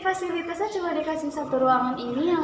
fasilitasnya hanya diberi satu ruangan